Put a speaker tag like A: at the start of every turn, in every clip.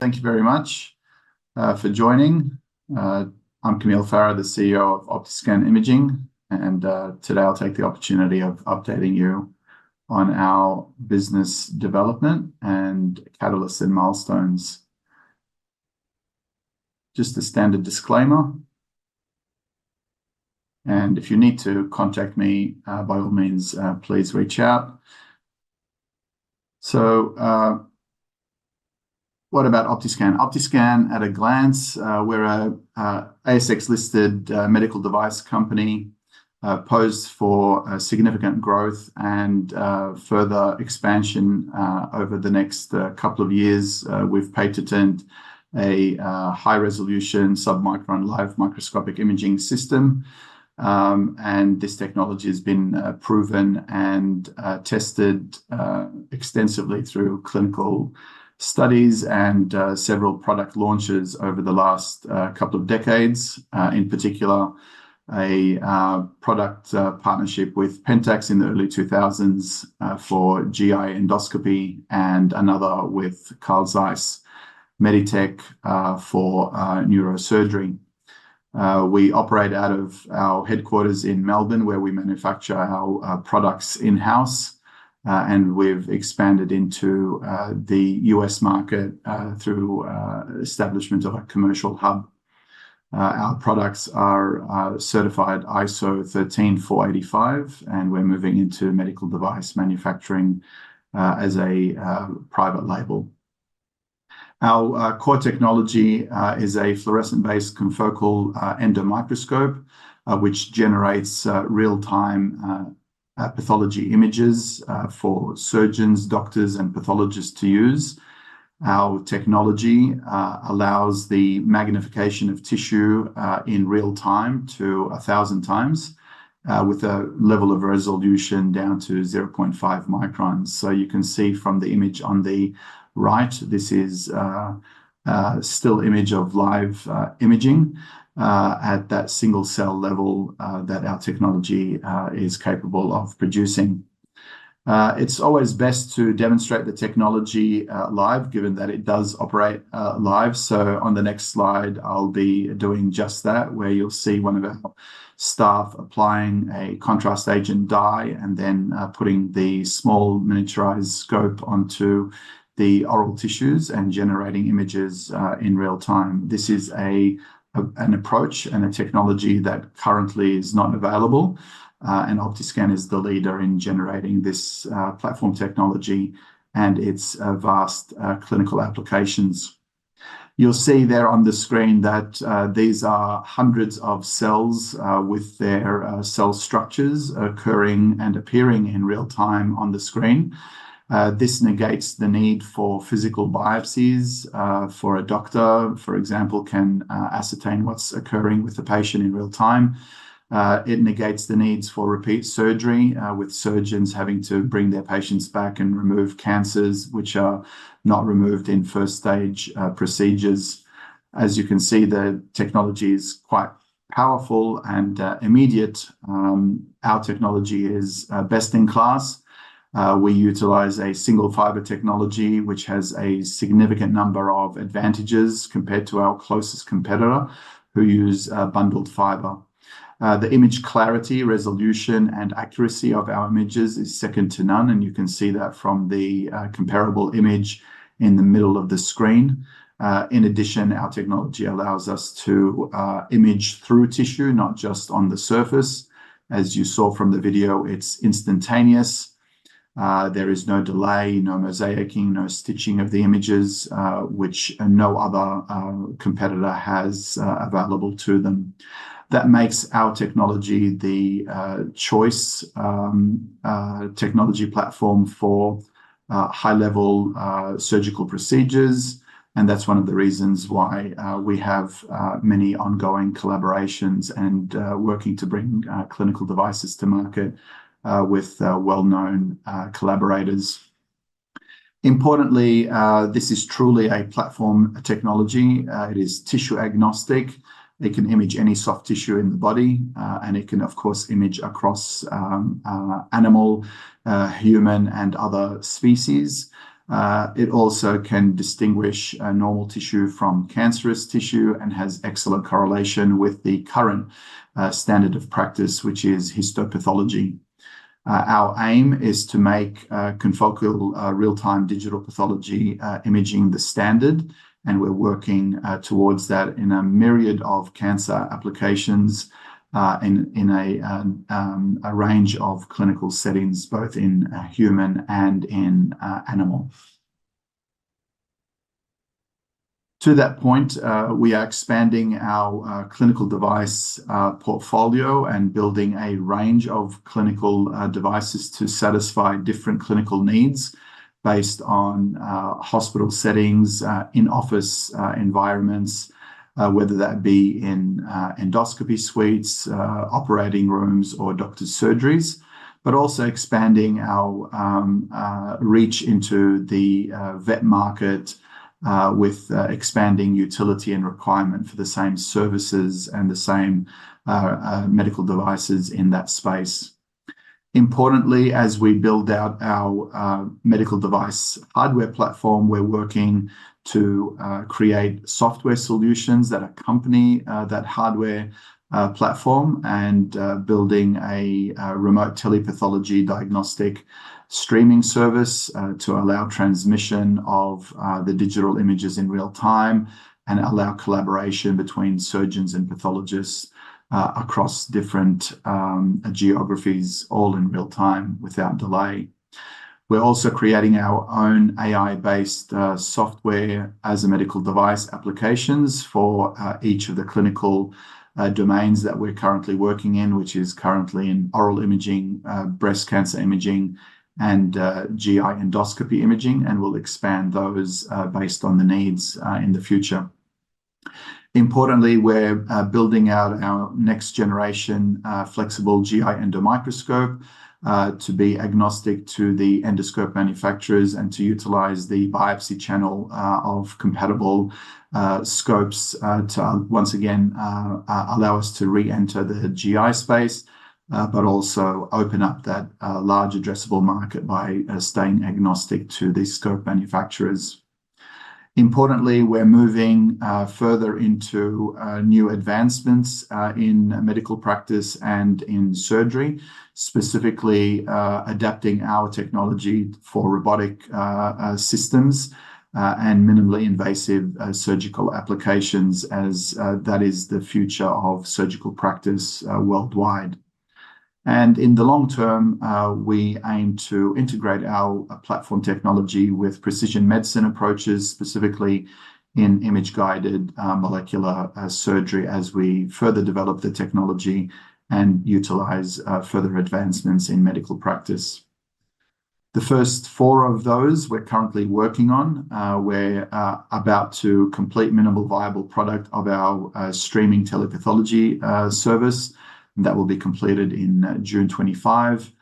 A: Thank you very much for joining. I'm Camile Farah, the CEO of Optiscan Imaging, and today I'll take the opportunity of updating you on our business development and catalysts and milestones. Just a standard disclaimer, and if you need to contact me, by all means, please reach out. So, what about Optiscan? Optiscan, at a glance, we're an ASX-listed medical device company poised for significant growth and further expansion over the next couple of years. We've patented a high-resolution submicron live microscopic imaging system, and this technology has been proven and tested extensively through clinical studies and several product launches over the last couple of decades. In particular, a product partnership with Pentax in the early 2000s for GI endoscopy, and another with Carl Zeiss Meditec for neurosurgery. We operate out of our headquarters in Melbourne, where we manufacture our products in-house, and we've expanded into the US market through establishment of a commercial hub. Our products are certified ISO 13485, and we're moving into medical device manufacturing as a private label. Our core technology is a fluorescent-based confocal endomicroscope, which generates real-time pathology images for surgeons, doctors, and pathologists to use. Our technology allows the magnification of tissue in real time to 1,000 times, with a level of resolution down to 0.5 microns. So you can see from the image on the right, this is still an image of live imaging at that single-cell level that our technology is capable of producing. It's always best to demonstrate the technology live, given that it does operate live. So on the next slide, I'll be doing just that, where you'll see one of our staff applying a contrast agent dye and then putting the small miniaturized scope onto the oral tissues and generating images in real time. This is an approach and a technology that currently is not available, and Optiscan is the leader in generating this platform technology and its vast clinical applications. You'll see there on the screen that these are hundreds of cells with their cell structures occurring and appearing in real time on the screen. This negates the need for physical biopsies for a doctor, for example, can ascertain what's occurring with the patient in real time. It negates the needs for repeat surgery, with surgeons having to bring their patients back and remove cancers, which are not removed in first-stage procedures. As you can see, the technology is quite powerful and immediate. Our technology is best in class. We utilize a single-fiber technology, which has a significant number of advantages compared to our closest competitor, who use bundled fiber. The image clarity, resolution, and accuracy of our images is second to none, and you can see that from the comparable image in the middle of the screen. In addition, our technology allows us to image through tissue, not just on the surface. As you saw from the video, it's instantaneous. There is no delay, no mosaicing, no stitching of the images, which no other competitor has available to them. That makes our technology the choice technology platform for high-level surgical procedures, and that's one of the reasons why we have many ongoing collaborations and working to bring clinical devices to market with well-known collaborators. Importantly, this is truly a platform technology. It is tissue-agnostic. It can image any soft tissue in the body, and it can, of course, image across animal, human, and other species. It also can distinguish normal tissue from cancerous tissue and has excellent correlation with the current standard of practice, which is histopathology. Our aim is to make confocal real-time digital pathology imaging the standard, and we're working towards that in a myriad of cancer applications in a range of clinical settings, both in human and in animal. To that point, we are expanding our clinical device portfolio and building a range of clinical devices to satisfy different clinical needs based on hospital settings, in-office environments, whether that be in endoscopy suites, operating rooms, or doctor's surgeries, but also expanding our reach into the vet market with expanding utility and requirement for the same services and the same medical devices in that space. Importantly, as we build out our medical device hardware platform, we're working to create software solutions that accompany that hardware platform and building a remote telepathology diagnostic streaming service to allow transmission of the digital images in real time and allow collaboration between surgeons and pathologists across different geographies, all in real time without delay. We're also creating our own AI-based software as a medical device applications for each of the clinical domains that we're currently working in, which is currently in oral imaging, breast cancer imaging, and GI endoscopy imaging, and we'll expand those based on the needs in the future. Importantly, we're building out our next-generation flexible GI endomicroscope to be agnostic to the endoscope manufacturers and to utilize the biopsy channel of compatible scopes to, once again, allow us to re-enter the GI space, but also open up that large addressable market by staying agnostic to the scope manufacturers. Importantly, we're moving further into new advancements in medical practice and in surgery, specifically adapting our technology for robotic systems and minimally invasive surgical applications, as that is the future of surgical practice worldwide. And in the long term, we aim to integrate our platform technology with precision medicine approaches, specifically in image-guided molecular surgery, as we further develop the technology and utilize further advancements in medical practice. The first four of those we're currently working on, we're about to complete minimum viable product of our streaming telepathology service that will be completed in June 2025.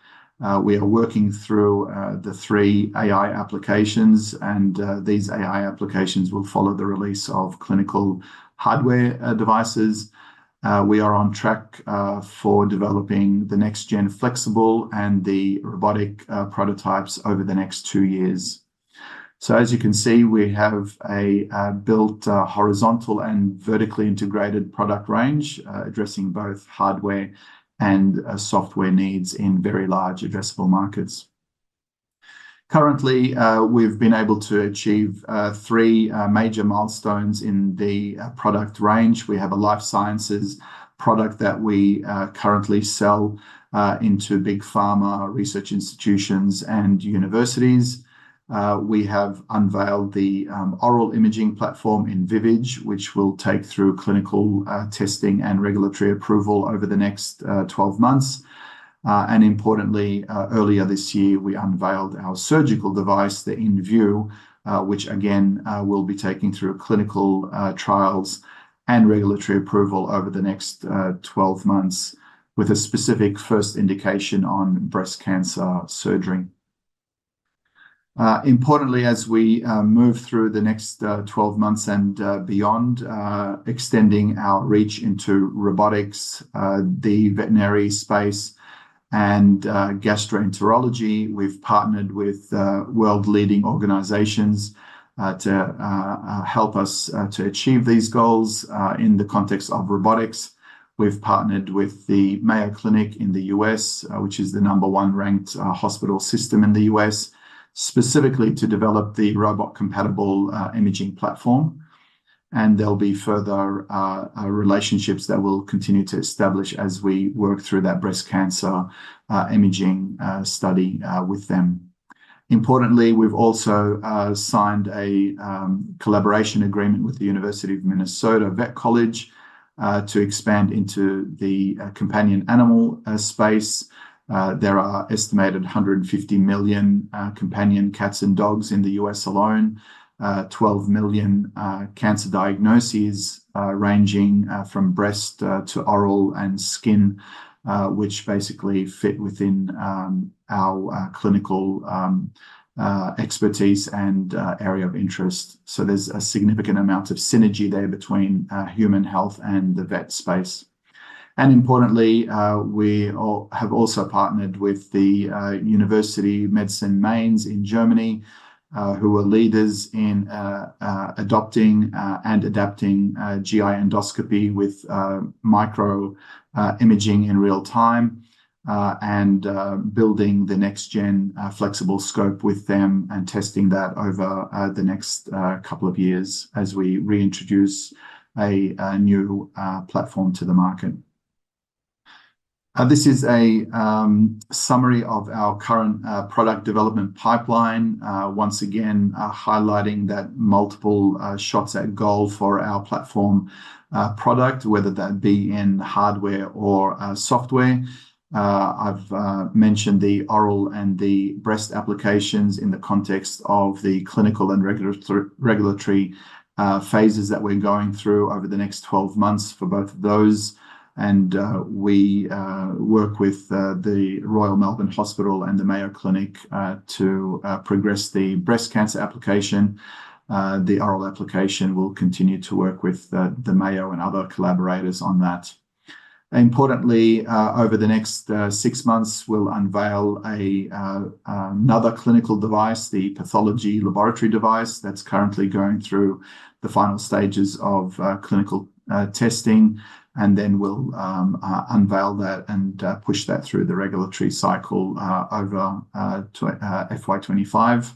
A: We are working through the three AI applications, and these AI applications will follow the release of clinical hardware devices. We are on track for developing the next-gen flexible and the robotic prototypes over the next two years. So, as you can see, we have a built horizontal and vertically integrated product range addressing both hardware and software needs in very large addressable markets. Currently, we've been able to achieve three major milestones in the product range. We have a life sciences product that we currently sell into big pharma research institutions and universities. We have unveiled the oral imaging platform InVivage, which will take through clinical testing and regulatory approval over the next 12 months. Importantly, earlier this year, we unveiled our surgical device, the InView, which again will be taking through clinical trials and regulatory approval over the next 12 months, with a specific first indication on breast cancer surgery. Importantly, as we move through the next 12 months and beyond, extending our reach into robotics, the veterinary space, and gastroenterology, we've partnered with world-leading organizations to help us to achieve these goals in the context of robotics. We've partnered with the Mayo Clinic in the U.S., which is the number-one ranked hospital system in the U.S., specifically to develop the robot-compatible imaging platform. There'll be further relationships that we'll continue to establish as we work through that breast cancer imaging study with them. Importantly, we've also signed a collaboration agreement with the University of Minnesota College of Veterinary Medicine to expand into the companion animal space. There are an estimated 150 million companion cats and dogs in the U.S. alone, 12 million cancer diagnoses ranging from breast to oral and skin, which basically fit within our clinical expertise and area of interest, so there's a significant amount of synergy there between human health and the vet space, and importantly, we have also partnered with the University Medical Center Mainz in Germany, who are leaders in adopting and adapting GI endoscopy with micro-imaging in real time and building the next-gen flexible scope with them and testing that over the next couple of years as we reintroduce a new platform to the market. This is a summary of our current product development pipeline, once again highlighting that multiple shots at goal for our platform product, whether that be in hardware or software. I've mentioned the oral and the breast applications in the context of the clinical and regulatory phases that we're going through over the next 12 months for both of those, and we work with the Royal Melbourne Hospital and the Mayo Clinic to progress the breast cancer application. The oral application will continue to work with the Mayo and other collaborators on that. Importantly, over the next six months, we'll unveil another clinical device, the pathology laboratory device that's currently going through the final stages of clinical testing, and then we'll unveil that and push that through the regulatory cycle over FY 2025.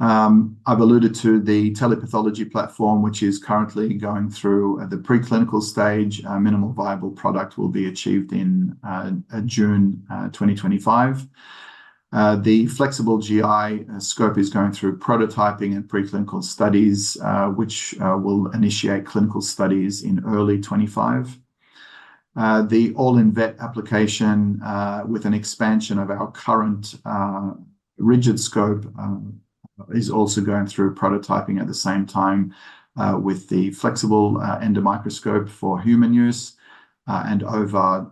A: I've alluded to the telepathology platform, which is currently going through the preclinical stage. Minimal viable product will be achieved in June 2025. The flexible GI scope is going through prototyping and preclinical studies, which will initiate clinical studies in early 2025. The all-in-vet application, with an expansion of our current rigid scope, is also going through prototyping at the same time with the flexible endomicroscope for human use. And over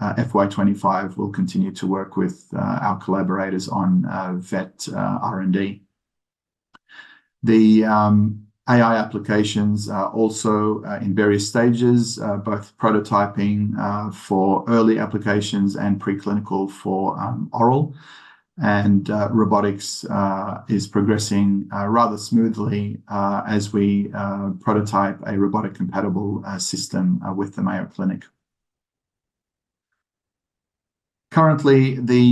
A: FY 2025, we'll continue to work with our collaborators on vet R&D. The AI applications are also in various stages, both prototyping for early applications and preclinical for oral. And robotics is progressing rather smoothly as we prototype a robotic-compatible system with the Mayo Clinic. Currently, the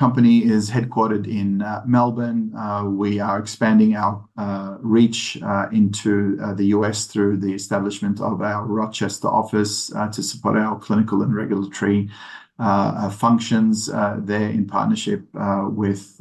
A: company is headquartered in Melbourne. We are expanding our reach into the U.S. through the establishment of our Rochester office to support our clinical and regulatory functions there in partnership with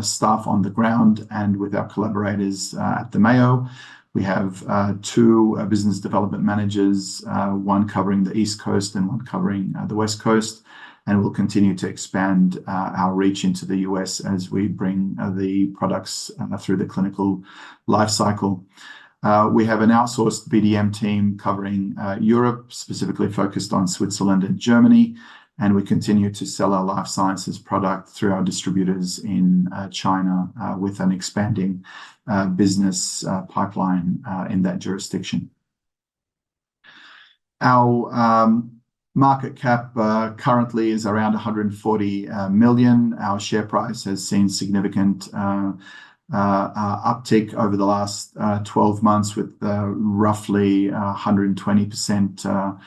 A: staff on the ground and with our collaborators at the Mayo. We have two business development managers, one covering the East Coast and one covering the West Coast, and we'll continue to expand our reach into the U.S. as we bring the products through the clinical life cycle. We have an outsourced BDM team covering Europe, specifically focused on Switzerland and Germany, and we continue to sell our life sciences product through our distributors in China with an expanding business pipeline in that jurisdiction. Our market cap currently is around 140 million. Our share price has seen significant uptick over the last 12 months with roughly 120%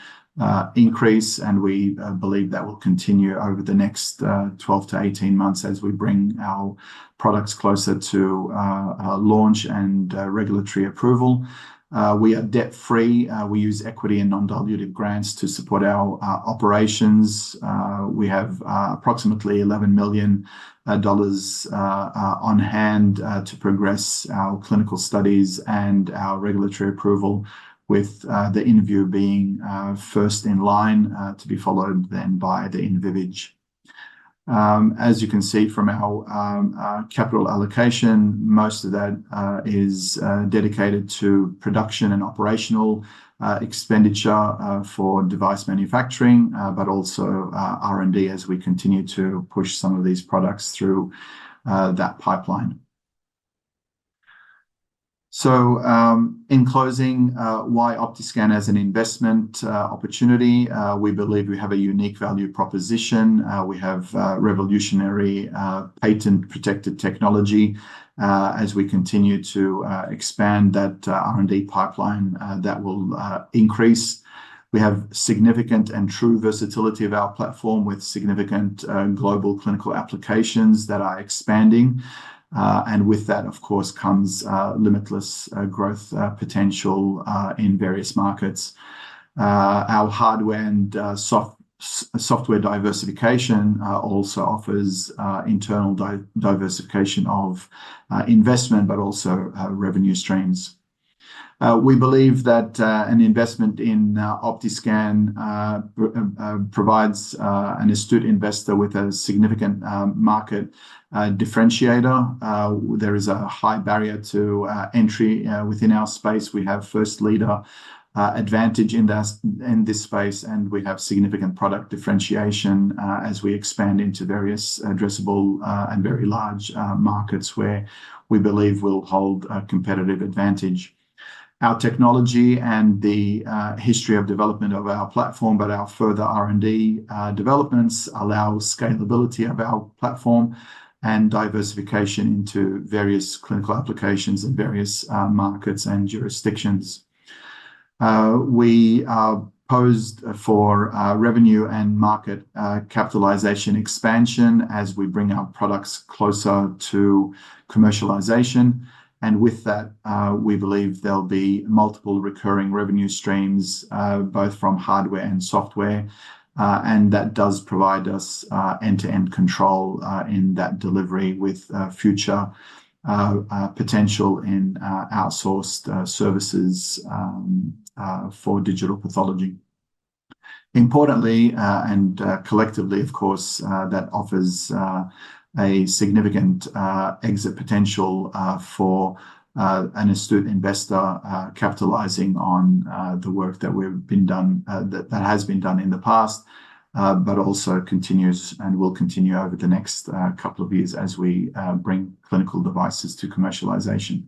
A: increase, and we believe that will continue over the next 12 to 18 months as we bring our products closer to launch and regulatory approval. We are debt-free. We use equity and non-dilutive grants to support our operations. We have approximately 11 million dollars on hand to progress our clinical studies and our regulatory approval, with the InView being first in line to be followed then by the InVage. As you can see from our capital allocation, most of that is dedicated to production and operational expenditure for device manufacturing, but also R&D as we continue to push some of these products through that pipeline. So, in closing, why Optiscan as an investment opportunity? We believe we have a unique value proposition. We have revolutionary patent-protected technology. As we continue to expand that R&D pipeline, that will increase. We have significant and true versatility of our platform with significant global clinical applications that are expanding. And with that, of course, comes limitless growth potential in various markets. Our hardware and software diversification also offers internal diversification of investment, but also revenue streams. We believe that an investment in Optiscan provides an astute investor with a significant market differentiator. There is a high barrier to entry within our space. We have first-mover advantage in this space, and we have significant product differentiation as we expand into various addressable and very large markets where we believe we'll hold a competitive advantage. Our technology and the history of development of our platform, but our further R&D developments allow scalability of our platform and diversification into various clinical applications in various markets and jurisdictions. We are poised for revenue and market capitalization expansion as we bring our products closer to commercialization. And with that, we believe there'll be multiple recurring revenue streams, both from hardware and software. And that does provide us end-to-end control in that delivery with future potential in outsourced services for digital pathology. Importantly, and collectively, of course, that offers a significant exit potential for an astute investor capitalizing on the work that has been done in the past, but also continues and will continue over the next couple of years as we bring clinical devices to commercialization.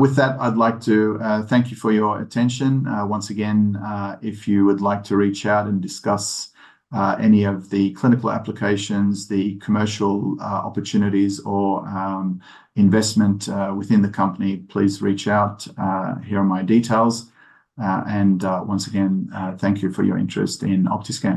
A: With that, I'd like to thank you for your attention. Once again, if you would like to reach out and discuss any of the clinical applications, the commercial opportunities, or investment within the company, please reach out. Here are my details, and once again, thank you for your interest in Optiscan.